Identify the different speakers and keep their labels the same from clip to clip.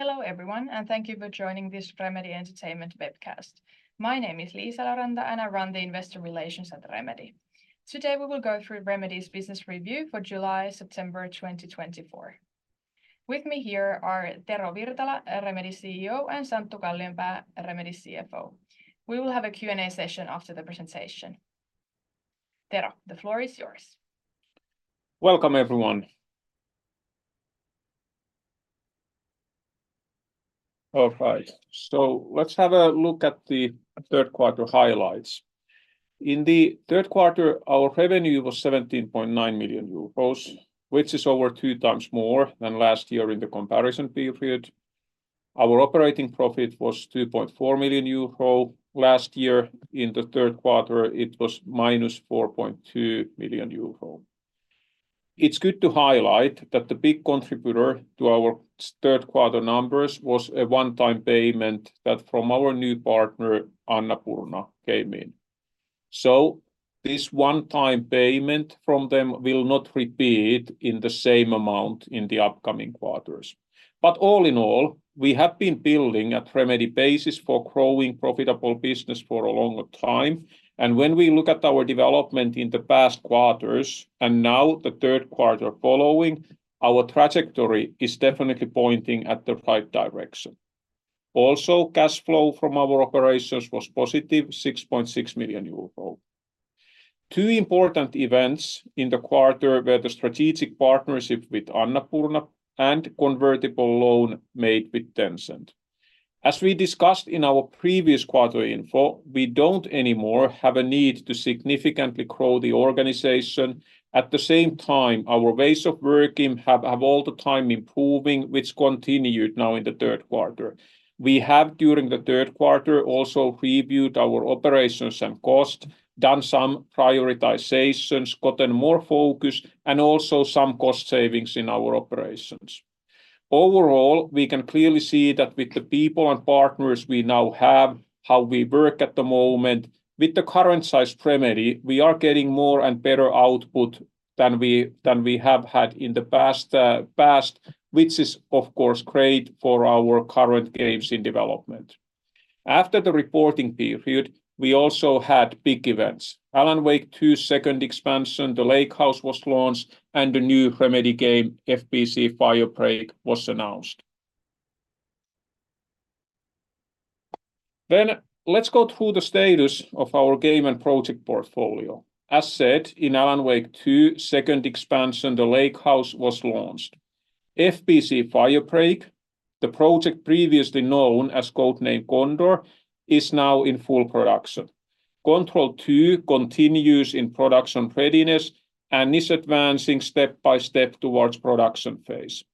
Speaker 1: Hello everyone, and thank you for joining this Remedy Entertainment webcast. My name is Liisa Eloranta, and I run the Investor Relations at Remedy. Today we will go through Remedy's business review for July-September 2024. With me here are Tero Virtala, Remedy CEO, and Santtu Kallionpää, Remedy CFO. We will have a Q&A session after the presentation. Tero, the floor is yours.
Speaker 2: Welcome everyone. All right, so let's have a look at the third quarter highlights. In the third quarter, our revenue was 17.9 million euros, which is over 2x more than last year in the comparison period. Our operating profit was 2.4 million euro last year. In the third quarter, it was minus 4.2 million euro. It's good to highlight that the big contributor to our third quarter numbers was a one-time payment that from our new partner, Annapurna, came in. So this one-time payment from them will not repeat in the same amount in the upcoming quarters. But all in all, we have been building a Remedy basis for growing profitable business for a long time. And when we look at our development in the past quarters and now the third quarter following, our trajectory is definitely pointing at the right direction. Also, cash flow from our operations was positive, 6.6 million euro. Two important events in the quarter were the strategic partnership with Annapurna and the convertible loan made with Tencent. As we discussed in our previous quarter info, we don't anymore have a need to significantly grow the organization. At the same time, our ways of working have all the time improving, which continued now in the third quarter. We have, during the third quarter, also reviewed our operations and costs, done some prioritizations, gotten more focus, and also some cost savings in our operations. Overall, we can clearly see that with the people and partners we now have, how we work at the moment, with the current size Remedy, we are getting more and better output than we have had in the past, which is, of course, great for our current games in development. After the reporting period, we also had big events. Alan Wake 2 second expansion, the Lake House was launched, and the new Remedy game FBC: Firebreak was announced. Then let's go through the status of our game and project portfolio. As said, in Alan Wake 2 second expansion, the Lake House was launched. FBC: Firebreak, the project previously known as Codename Condor, is now in full production. Control 2 continues in production readiness and is advancing step by step towards production phase.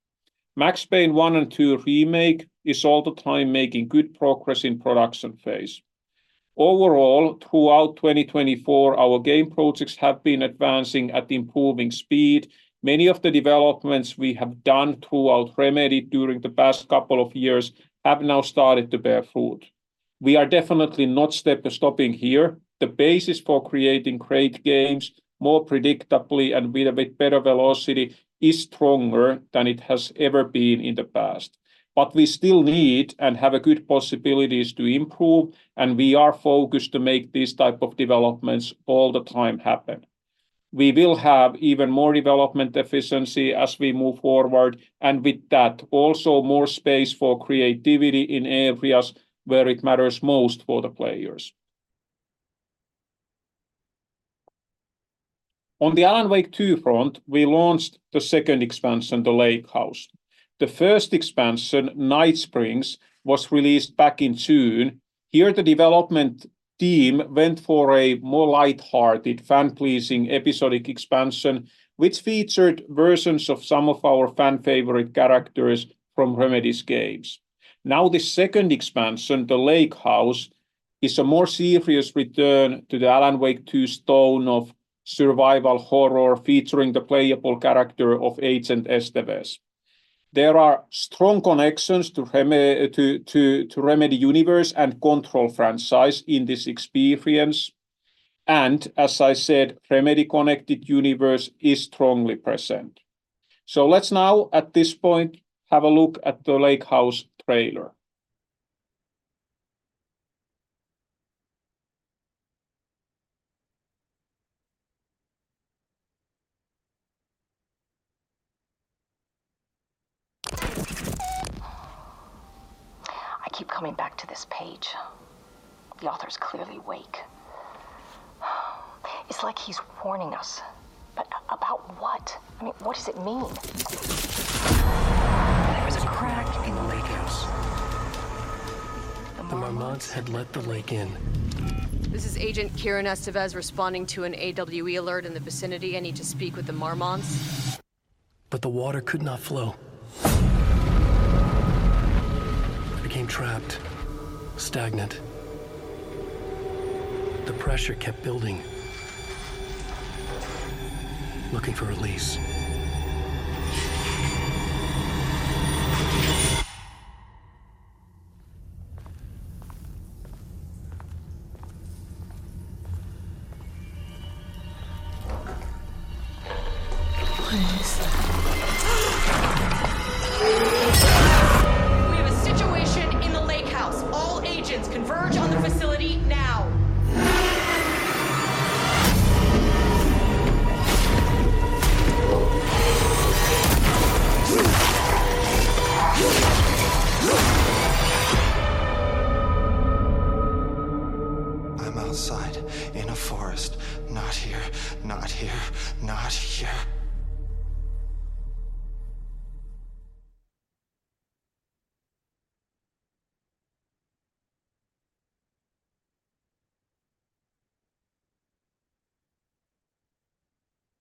Speaker 2: Max Payne 1 and 2 Remake is all the time making good progress in production phase. Overall, throughout 2024, our game projects have been advancing at improving speed. Many of the developments we have done throughout Remedy during the past couple of years have now started to bear fruit. We are definitely not stopping here. The basis for creating great games more predictably and with a bit better velocity is stronger than it has ever been in the past. But we still need and have good possibilities to improve, and we are focused to make these types of developments all the time happen. We will have even more development efficiency as we move forward, and with that, also more space for creativity in areas where it matters most for the players. On the Alan Wake 2 front, we launched the second expansion, The Lake House. The first expansion, Night Springs, was released back in June. Here, the development team went for a more lighthearted, fan-pleasing episodic expansion, which featured versions of some of our fan-favorite characters from Remedy's games. Now, the second expansion, The Lake House, is a more serious return to the Alan Wake 2 tone of survival horror featuring the playable character of Agent Estevez. There are strong connections to Remedy universe and Control franchise in this experience, and as I said, Remedy Connected Universe is strongly present, so let's now, at this point, have a look at The Lake House trailer. I keep coming back to this page. The author is clearly Wake. It's like he's warning us. But about what? I mean, what does it mean? There is a crack in the lake house. The Marmonts had let the lake in. This is Agent Kiran Estevez responding to an AWE alert in the vicinity. I need to speak with the Marmonts. But the water could not flow. It became trapped, stagnant. The pressure kept building, looking for release. What is this? We have a situation in The Lake House. All agents converge on the facility now. I'm outside in a forest. Not here, not here, not here.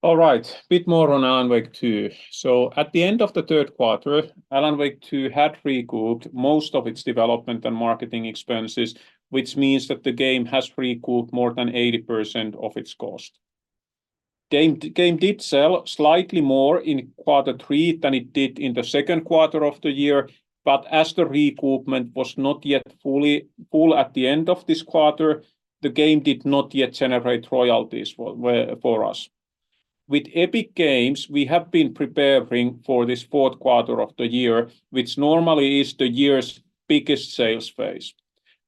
Speaker 2: All right, a bit more on Alan Wake 2. So at the end of the third quarter, Alan Wake 2 had recouped most of its development and marketing expenses, which means that the game has recouped more than 80% of its cost. The game did sell slightly more in quarter three than it did in the second quarter of the year, but as the recoupment was not yet fully full at the end of this quarter, the game did not yet generate royalties for us. With Epic Games, we have been preparing for this fourth quarter of the year, which normally is the year's biggest sales phase,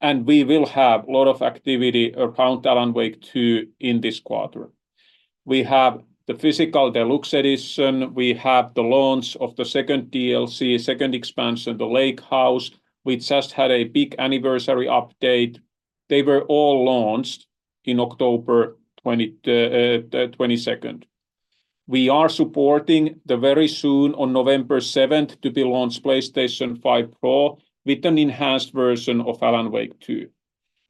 Speaker 2: and we will have a lot of activity around Alan Wake 2 in this quarter. We have the physical Deluxe Edition. We have the launch of the second DLC, second expansion, The Lake House. We just had a big anniversary update. They were all launched on October 22nd. We are supporting the very soon on November 7th to be launched PlayStation 5 Pro with an enhanced version of Alan Wake 2.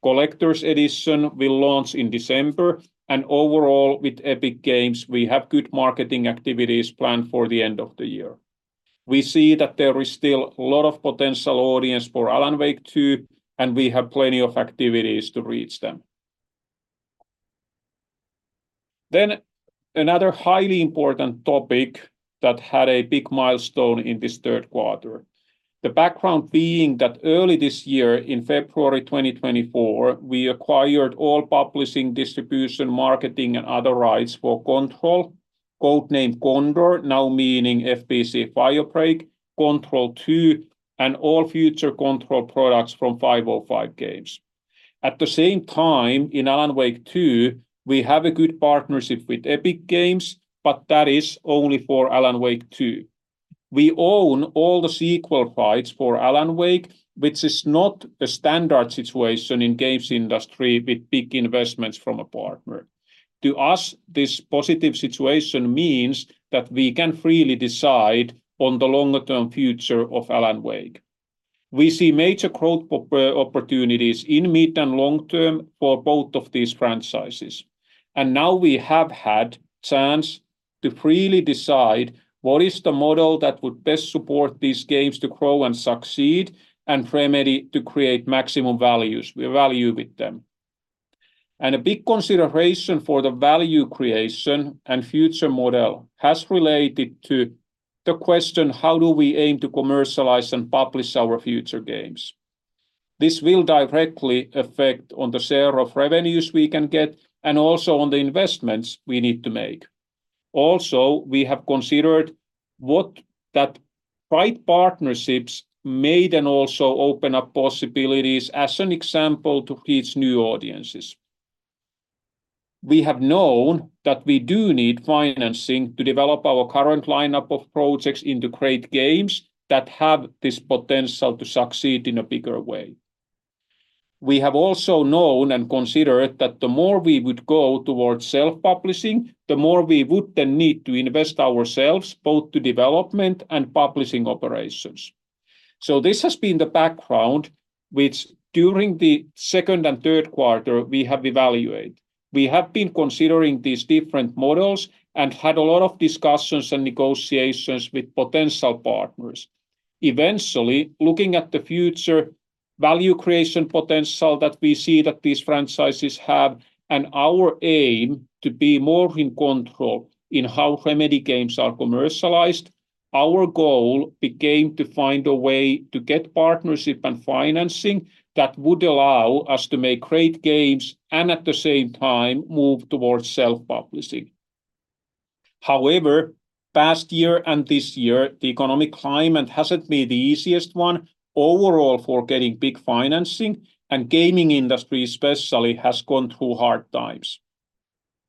Speaker 2: Collector's Edition will launch in December. And overall, with Epic Games, we have good marketing activities planned for the end of the year. We see that there is still a lot of potential audience for Alan Wake 2, and we have plenty of activities to reach them. Then another highly important topic that had a big milestone in this third quarter. The background being that early this year, in February 2024, we acquired all publishing, distribution, marketing, and other rights for Control, Codename Condor, now meaning FBC: Firebreak, Control 2, and all future Control products from 505 Games. At the same time, in Alan Wake 2, we have a good partnership with Epic Games, but that is only for Alan Wake 2. We own all the sequel rights for Alan Wake, which is not a standard situation in the games industry with big investments from a partner. To us, this positive situation means that we can freely decide on the longer-term future of Alan Wake. We see major growth opportunities in mid and long term for both of these franchises. Now we have had a chance to freely decide what is the model that would best support these games to grow and succeed and Remedy to create maximum value with them. A big consideration for the value creation and future model has related to the question, how do we aim to commercialize and publish our future games? This will directly affect the share of revenues we can get and also on the investments we need to make. Also, we have considered what that right partnerships made and also opened up possibilities as an example to reach new audiences. We have known that we do need financing to develop our current lineup of projects into great games that have this potential to succeed in a bigger way. We have also known and considered that the more we would go towards self-publishing, the more we would then need to invest ourselves both to development and publishing operations. So this has been the background which during the second and third quarter we have evaluated. We have been considering these different models and had a lot of discussions and negotiations with potential partners. Eventually, looking at the future value creation potential that we see that these franchises have and our aim to be more in control in how Remedy games are commercialized, our goal became to find a way to get partnership and financing that would allow us to make great games and at the same time move towards self-publishing. However, past year and this year, the economic climate hasn't been the easiest one overall for getting big financing, and the gaming industry especially has gone through hard times.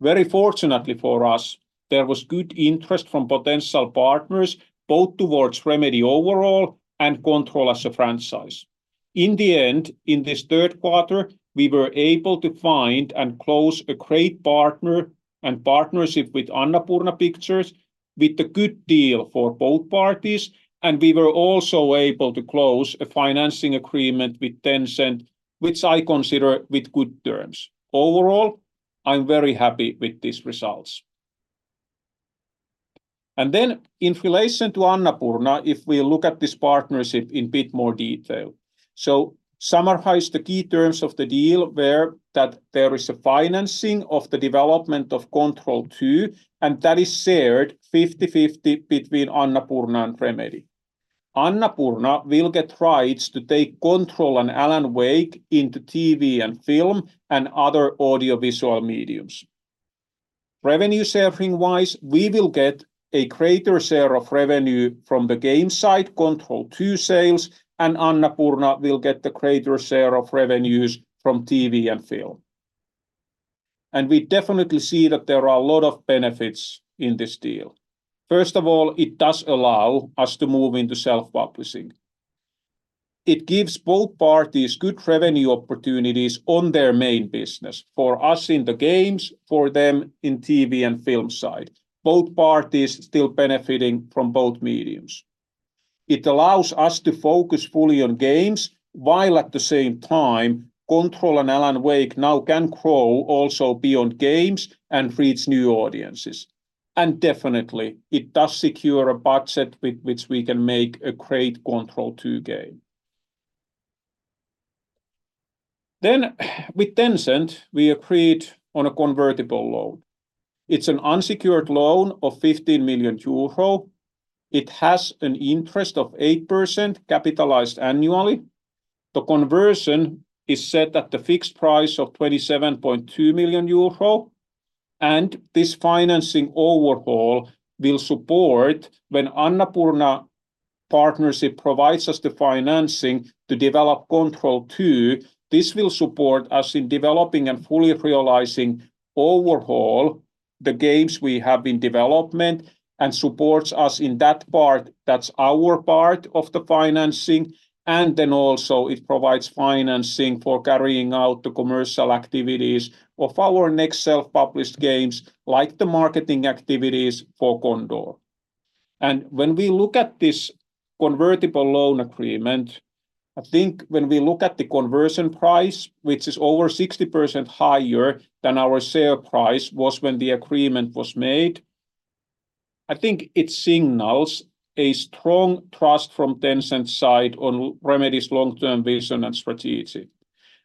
Speaker 2: Very fortunately for us, there was good interest from potential partners both towards Remedy overall and Control as a franchise. In the end, in this third quarter, we were able to find and close a great partner and partnership with Annapurna Pictures with a good deal for both parties, and we were also able to close a financing agreement with Tencent, which I consider with good terms. Overall, I'm very happy with these results, and then in relation to Annapurna, if we look at this partnership in a bit more detail, so summarize the key terms of the deal where there is a financing of the development of Control 2, and that is shared 50/50 between Annapurna and Remedy. Annapurna will get rights to take Control and Alan Wake into TV and film and other audiovisual mediums. Revenue sharing-wise, we will get a greater share of revenue from the game side, Control 2 sales, and Annapurna will get the greater share of revenues from TV and film. We definitely see that there are a lot of benefits in this deal. First of all, it does allow us to move into self-publishing. It gives both parties good revenue opportunities on their main business, for us in the games, for them in TV and film side. Both parties still benefiting from both mediums. It allows us to focus fully on games, while at the same time, Control and Alan Wake now can grow also beyond games and reach new audiences. Definitely, it does secure a budget with which we can make a great Control 2 game. With Tencent, we agreed on a convertible loan. It's an unsecured loan of 15 million euro. It has an interest of 8% capitalized annually. The conversion is set at the fixed price of 27.2 million euro, and this financing overhaul will support when Annapurna partnership provides us the financing to develop Control 2. This will support us in developing and fully realizing overhaul the games we have in development and supports us in that part that's our part of the financing. Then also it provides financing for carrying out the commercial activities of our next self-published games, like the marketing activities for Condor. When we look at this convertible loan agreement, I think when we look at the conversion price, which is over 60% higher than our sale price was when the agreement was made, I think it signals a strong trust from Tencent's side on Remedy's long-term vision and strategy.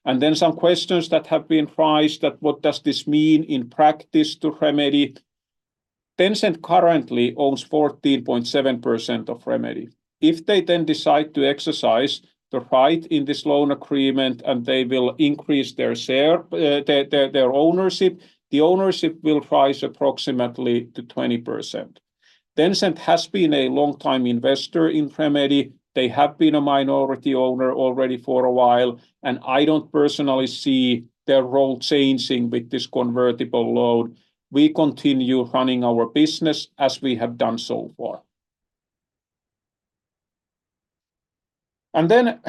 Speaker 2: And then some questions that have been raised that what does this mean in practice to Remedy? Tencent currently owns 14.7% of Remedy. If they then decide to exercise the right in this loan agreement and they will increase their ownership, the ownership will rise approximately to 20%. Tencent has been a long-time investor in Remedy. They have been a minority owner already for a while, and I don't personally see their role changing with this convertible loan. We continue running our business as we have done so far. And then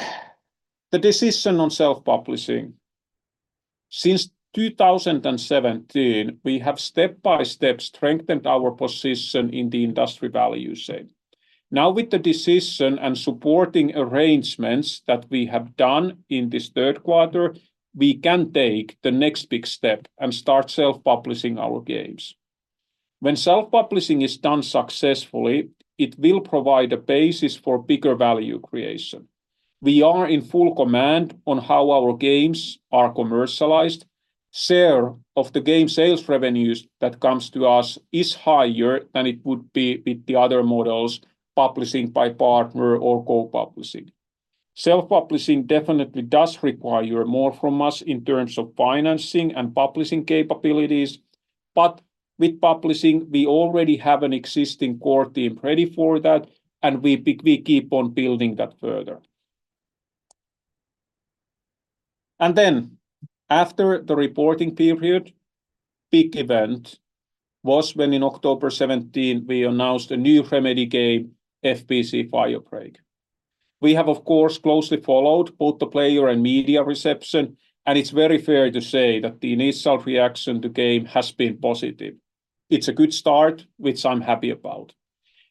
Speaker 2: the decision on self-publishing. Since 2017, we have step by step strengthened our position in the industry value chain. Now with the decision and supporting arrangements that we have done in this third quarter, we can take the next big step and start self-publishing our games. When self-publishing is done successfully, it will provide a basis for bigger value creation. We are in full command on how our games are commercialized. Share of the game sales revenues that comes to us is higher than it would be with the other models publishing by partner or co-publishing. Self-publishing definitely does require more from us in terms of financing and publishing capabilities, but with publishing, we already have an existing core team ready for that, and we keep on building that further. And then after the reporting period, big event was when in October 2017, we announced a new Remedy game, FBC: Firebreak. We have, of course, closely followed both the player and media reception, and it's very fair to say that the initial reaction to the game has been positive. It's a good start, which I'm happy about.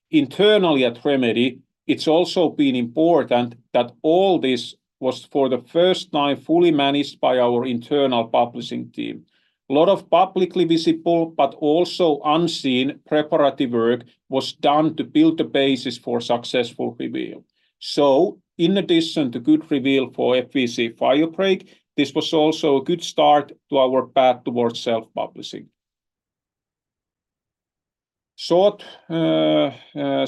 Speaker 2: Internally at Remedy, it's also been important that all this was for the first time fully managed by our internal publishing team. A lot of publicly visible, but also unseen preparatory work was done to build a basis for successful reveal. So in addition to good reveal for FBC: Firebreak, this was also a good start to our path towards self-publishing. Short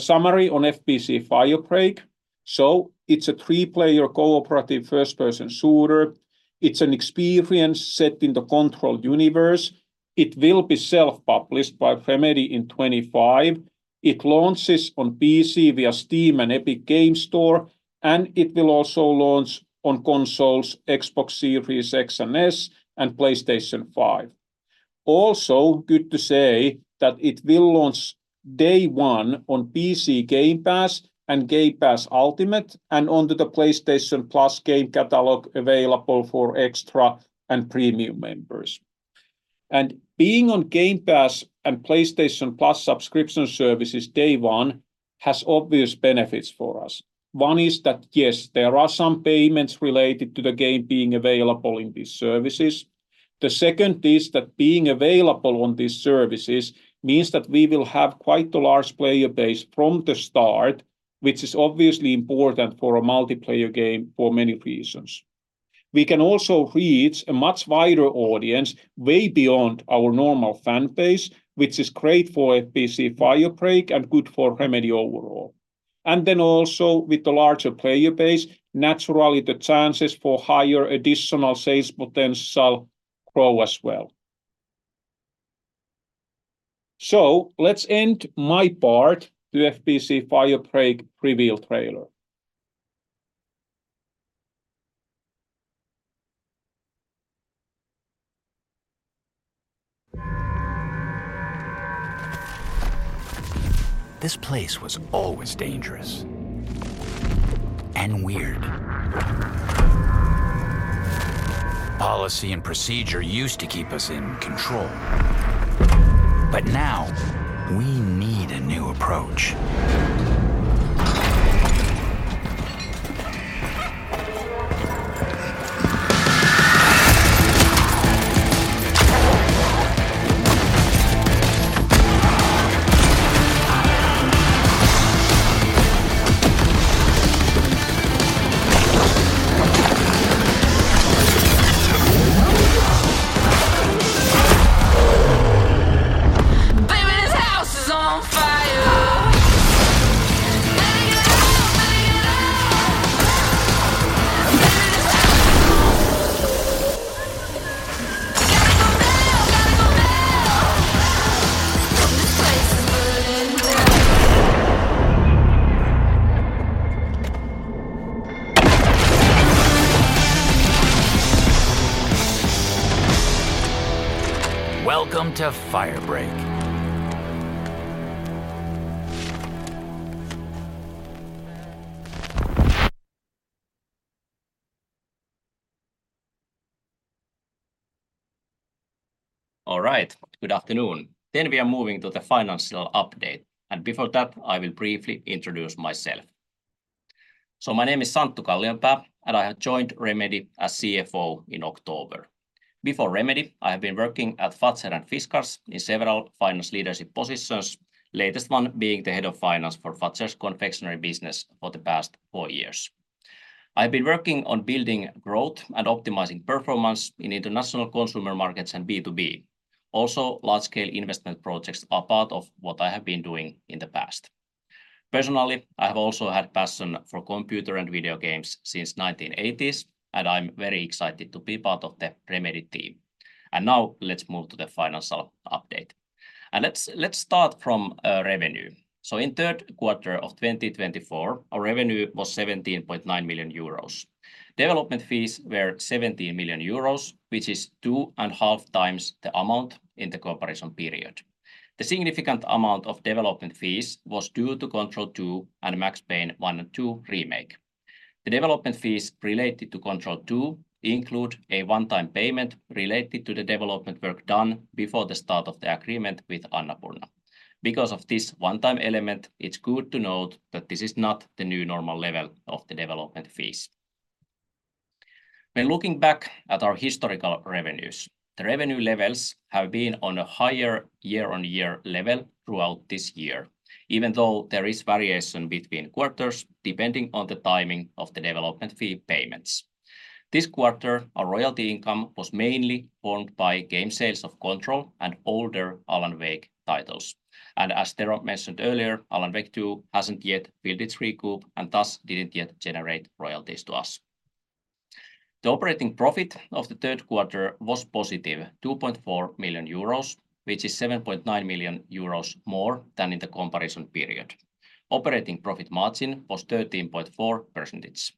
Speaker 2: summary on FBC: Firebreak. So it's a three-player cooperative first-person shooter. It's an experience set in the Control universe. It will be self-published by Remedy in 2025. It launches on PC via Steam and Epic Games Store, and it will also launch on consoles, Xbox Series X and S, and PlayStation 5. Also good to say that it will launch day one on PC Game Pass and Game Pass Ultimate, and onto the PlayStation Plus game catalog available for Extra and Premium members. Being on Game Pass and PlayStation Plus subscription services day one has obvious benefits for us. One is that, yes, there are some payments related to the game being available in these services. The second is that being available on these services means that we will have quite a large player base from the start, which is obviously important for a multiplayer game for many reasons. We can also reach a much wider audience way beyond our normal fanbase, which is great for FBC: Firebreak and good for Remedy overall. Then also with the larger player base, naturally the chances for higher additional sales potential grow as well. So let's end my part to FBC: Firebreak reveal trailer. This place was always dangerous and weird. Policy and procedure used to keep us in control. But now we need a new approach. Baby, this house is on fire.
Speaker 3: Welcome to Firebreak. All right, good afternoon. Then we are moving to the financial update. And before that, I will briefly introduce myself. So my name is Santtu Kallionpää, and I have joined Remedy as CFO in October. Before Remedy, I have been working at Fazer and Fiskars in several finance leadership positions, latest one being the head of finance for Fazer's confectionery business for the past four years. I have been working on building growth and optimizing performance in international consumer markets and B2B. Also, large-scale investment projects are part of what I have been doing in the past. Personally, I have also had a passion for computer and video games since the 1980s, and I'm very excited to be part of the Remedy team. And now let's move to the financial update. And let's start from revenue. So in the third quarter of 2024, our revenue was 17.9 million euros. Development fees were 17 million euros, which is two and a half times the amount in the comparison period. The significant amount of development fees was due to Control 2 and Max Payne 1 and 2 Remake. The development fees related to Control 2 include a one-time payment related to the development work done before the start of the agreement with Annapurna. Because of this one-time element, it's good to note that this is not the new normal level of the development fees. When looking back at our historical revenues, the revenue levels have been on a higher year-on-year level throughout this year, even though there is variation between quarters depending on the timing of the development fee payments. This quarter, our royalty income was mainly formed by game sales of Control and older Alan Wake titles. And as Tero mentioned earlier, Alan Wake 2 hasn't yet filled its recoupment and thus didn't yet generate royalties to us. The operating profit of the third quarter was positive, 2.4 million euros, which is 7.9 million euros more than in the comparison period. Operating profit margin was 13.4%.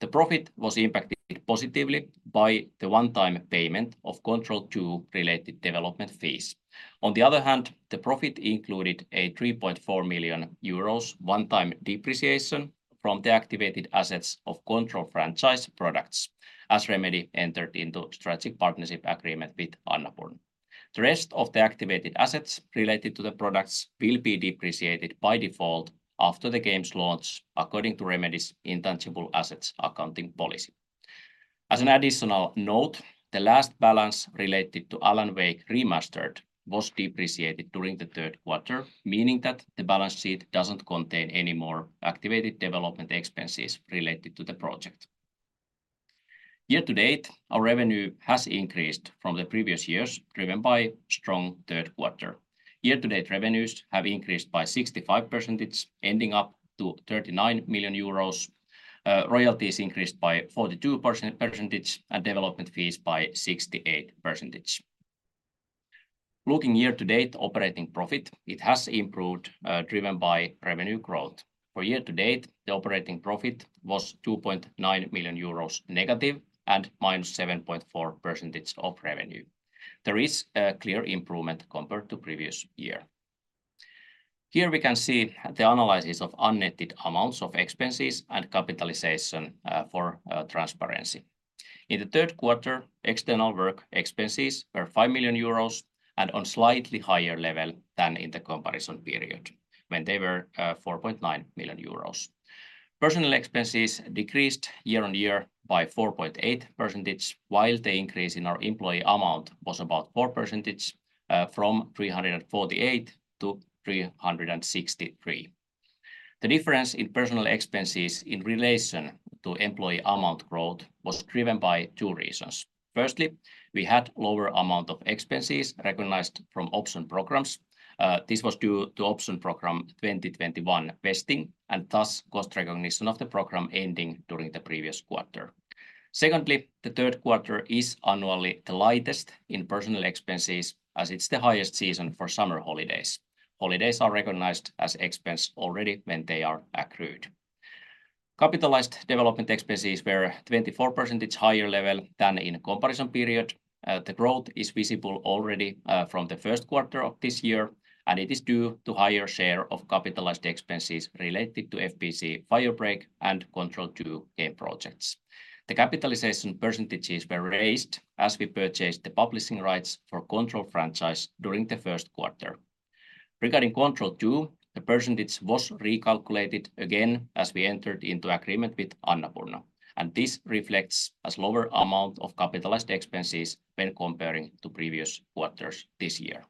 Speaker 3: The profit was impacted positively by the one-time payment of Control 2 related development fees. On the other hand, the profit included a 3.4 million euros one-time depreciation from the activated assets of Control franchise products as Remedy entered into a strategic partnership agreement with Annapurna. The rest of the activated assets related to the products will be depreciated by default after the game's launch, according to Remedy's intangible assets accounting policy. As an additional note, the last balance related to Alan Wake Remastered was depreciated during the third quarter, meaning that the balance sheet doesn't contain any more activated development expenses related to the project. Year to date, our revenue has increased from the previous years, driven by strong third quarter. Year to date, revenues have increased by 65%, ending up to 39 million euros. Royalties increased by 42% and development fees by 68%. Looking year to date, operating profit, it has improved, driven by revenue growth. For year to date, the operating profit was 2.9 million euros negative and -7.4% of revenue. There is a clear improvement compared to previous year. Here we can see the analysis of unnetted amounts of expenses and capitalization for transparency. In the third quarter, external work expenses were 5 million euros and on a slightly higher level than in the comparison period, when they were 4.9 million euros. Personal expenses decreased year on year by 4.8%, while the increase in our employee amount was about 4%, from 348 to 363. The difference in personal expenses in relation to employee amount growth was driven by two reasons. Firstly, we had a lower amount of expenses recognized from option programs. This was due to Option Program 2021 vesting and thus cost recognition of the program ending during the previous quarter. Secondly, the third quarter is annually the lightest in personal expenses, as it's the highest season for summer holidays. Holidays are recognized as expense already when they are accrued. Capitalized development expenses were 24% higher level than in comparison period. The growth is visible already from the first quarter of this year, and it is due to a higher share of capitalized expenses related to FBC: Firebreak and Control 2 game projects. The capitalization percentages were raised as we purchased the publishing rights for Control franchise during the first quarter. Regarding Control 2, the percentage was recalculated again as we entered into agreement with Annapurna. This reflects a slower amount of capitalized expenses when comparing to previous quarters this year.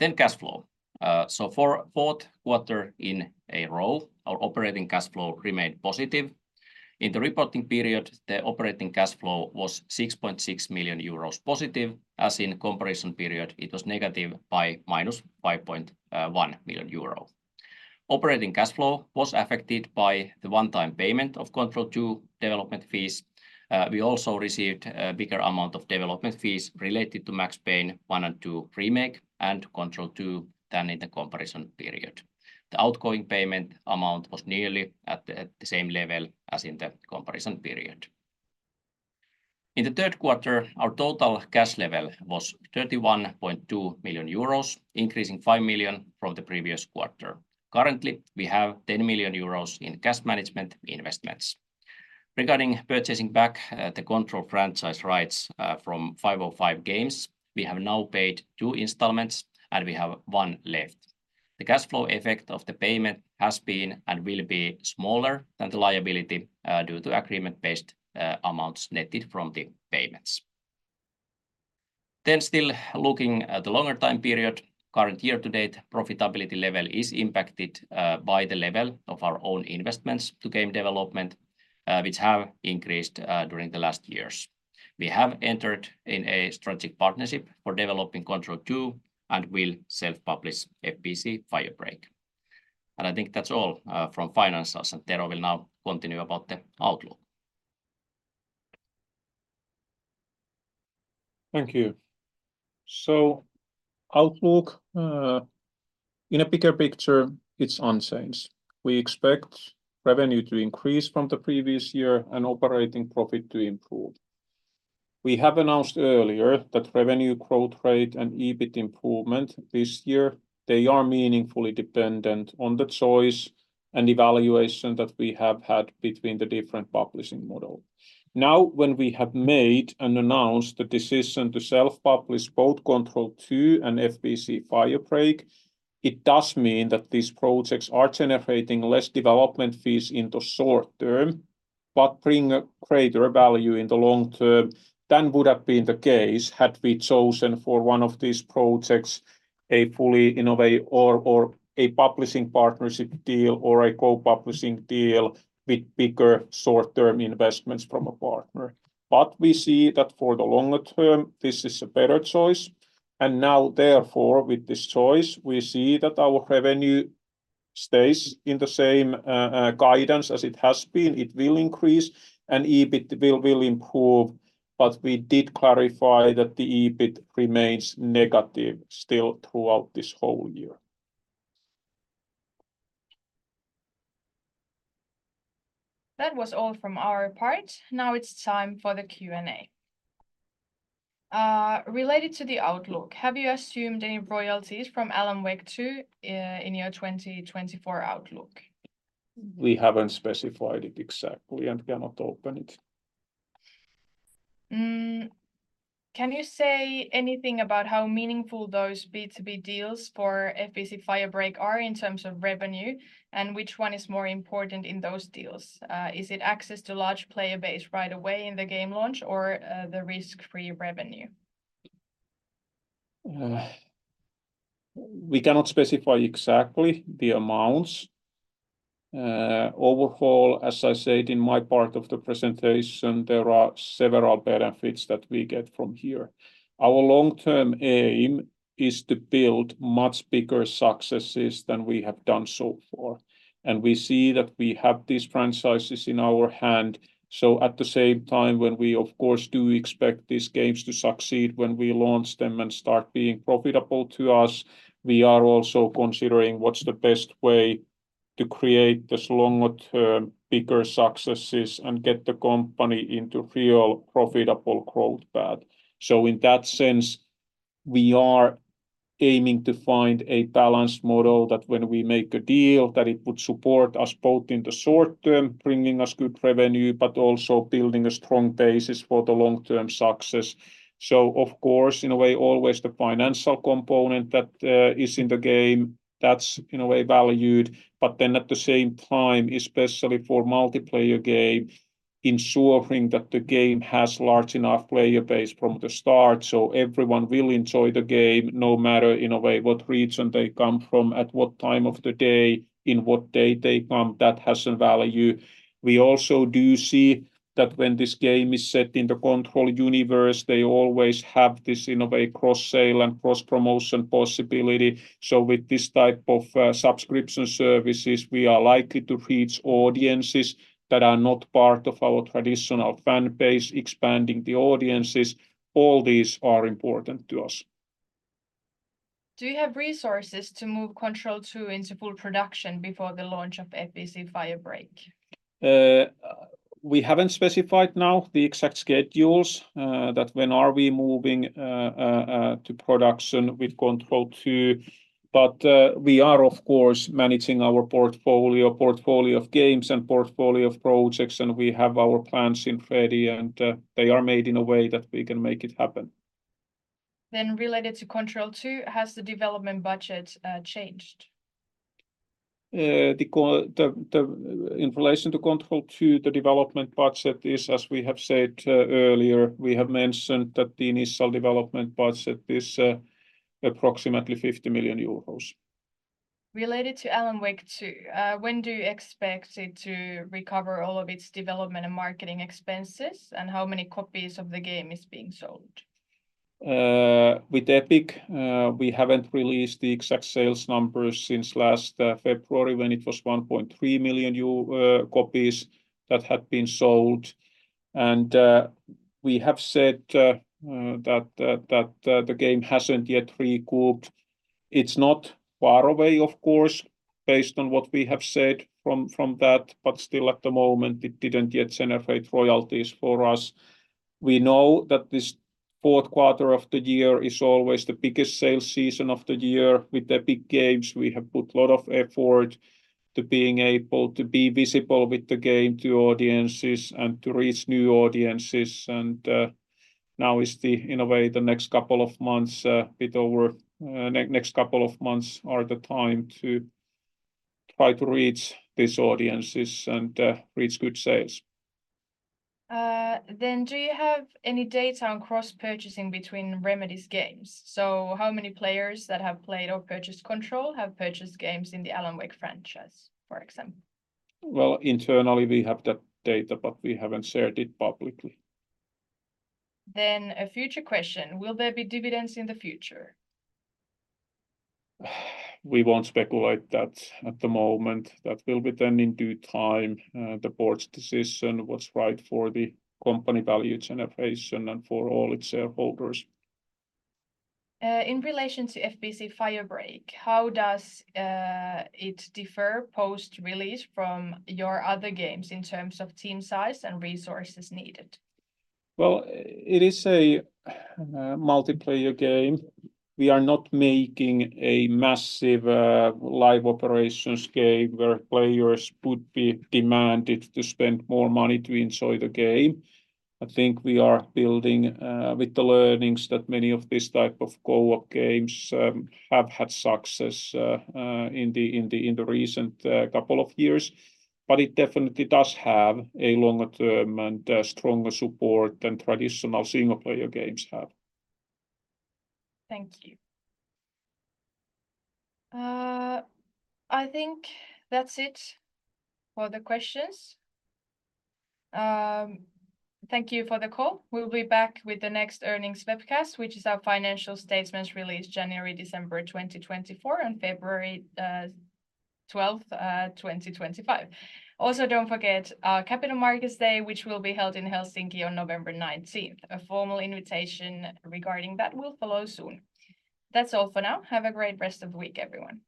Speaker 3: Cash flow. For the fourth quarter in a row, our operating cash flow remained positive. In the reporting period, the operating cash flow was 6.6 million euros positive, as in the comparison period, it was negative by minus 5.1 million euros. Operating cash flow was affected by the one-time payment of Control 2 development fees. We also received a bigger amount of development fees related to Max Payne 1 and 2 Remake and Control 2 than in the comparison period. The outgoing payment amount was nearly at the same level as in the comparison period. In the third quarter, our total cash level was 31.2 million euros, increasing 5 million from the previous quarter. Currently, we have 10 million euros in cash management investments. Regarding purchasing back the Control franchise rights from 505 Games, we have now paid two installments and we have one left. The cash flow effect of the payment has been and will be smaller than the liability due to agreement-based amounts netted from the payments. Still looking at the longer time period, current year to date profitability level is impacted by the level of our own investments to game development, which have increased during the last years. We have entered into a strategic partnership for developing Control 2 and will self-publish FBC: Firebreak. I think that's all from finance, and Tero will now continue about the outlook.
Speaker 2: Thank you. Outlook, in a bigger picture, it's unchanged. We expect revenue to increase from the previous year and operating profit to improve. We have announced earlier that revenue growth rate and EBIT improvement this year, they are meaningfully dependent on the choice and evaluation that we have had between the different publishing models. Now, when we have made and announced the decision to self-publish both Control 2 and FBC: Firebreak, it does mean that these projects are generating less development fees in the short term, but bring greater value in the long term than would have been the case had we chosen for one of these projects a fully innovative or a publishing partnership deal or a co-publishing deal with bigger short-term investments from a partner. But we see that for the longer term, this is a better choice. And now, therefore, with this choice, we see that our revenue stays in the same guidance as it has been. It will increase and EBIT will improve. But we did clarify that the EBIT remains negative still throughout this whole year.
Speaker 1: That was all from our part. Now it's time for the Q&A. Related to the outlook, have you assumed any royalties from Alan Wake 2 in your 2024 outlook?
Speaker 2: We haven't specified it exactly and cannot open it.
Speaker 1: Can you say anything about how meaningful those B2B deals for FBC: Firebreak are in terms of revenue and which one is more important in those deals? Is it access to large player base right away in the game launch or the risk-free revenue?
Speaker 2: We cannot specify exactly the amounts. Overall, as I said in my part of the presentation, there are several benefits that we get from here. Our long-term aim is to build much bigger successes than we have done so far, and we see that we have these franchises in our hand. So at the same time, when we, of course, do expect these games to succeed when we launch them and start being profitable to us, we are also considering what's the best way to create the longer-term bigger successes and get the company into real profitable growth path. So in that sense, we are aiming to find a balanced model that when we make a deal, that it would support us both in the short term, bringing us good revenue, but also building a strong basis for the long-term success. So of course, in a way, always the financial component that is in the game, that's in a way valued. But then at the same time, especially for multiplayer game, ensuring that the game has a large enough player base from the start. So everyone will enjoy the game, no matter in a way what region they come from, at what time of the day, in what day they come, that has a value. We also do see that when this game is set in the Control universe, they always have this in a way cross-sale and cross-promotion possibility. So with this type of subscription services, we are likely to reach audiences that are not part of our traditional fanbase, expanding the audiences. All these are important to us.
Speaker 1: Do you have resources to move Control 2 into full production before the launch of FBC: Firebreak?
Speaker 2: We haven't specified now the exact schedules that when are we moving to production with Control 2. But we are, of course, managing our portfolio, portfolio of games and portfolio of projects. We have our plans in ready, and they are made in a way that we can make it happen.
Speaker 1: Related to Control 2, has the development budget changed?
Speaker 2: The information to Control 2, the development budget is, as we have said earlier, we have mentioned that the initial development budget is approximately 50 million euros.
Speaker 1: Related to Alan Wake 2, when do you expect it to recover all of its development and marketing expenses, and how many copies of the game is being sold?
Speaker 2: With Epic, we haven't released the exact sales numbers since last February when it was 1.3 million copies that had been sold. We have said that the game hasn't yet recouped. It's not far away, of course, based on what we have said from that, but still at the moment, it didn't yet generate royalties for us. We know that this fourth quarter of the year is always the biggest sales season of the year with the big games. We have put a lot of effort to being able to be visible with the game to audiences and to reach new audiences. And now is the in a way the next couple of months, a bit over next couple of months are the time to try to reach these audiences and reach good sales.
Speaker 1: Then do you have any data on cross-purchasing between Remedy's games? So how many players that have played or purchased Control have purchased games in the Alan Wake franchise, for example?
Speaker 2: Well, internally we have that data, but we haven't shared it publicly.
Speaker 1: Then a future question, will there be dividends in the future?
Speaker 2: We won't speculate that at the moment. That will be then in due time. The board's decision was right for the company value generation and for all its shareholders.
Speaker 1: In relation to FBC: Firebreak, how does it differ post-release from your other games in terms of team size and resources needed?
Speaker 2: It is a multiplayer game. We are not making a massive live operations game where players would be demanded to spend more money to enjoy the game. I think we are building with the learnings that many of these type of co-op games have had success in the recent couple of years. It definitely does have a longer term and stronger support than traditional single-player games have.
Speaker 1: Thank you. I think that's it for the questions. Thank you for the call. We'll be back with the next earnings webcast, which is our financial statements released January, December 2024 and February 12th, 2025. Also, don't forget our Capital Markets Day, which will be held in Helsinki on November 19th. A formal invitation regarding that will follow soon. That's all for now. Have a great rest of the week, everyone.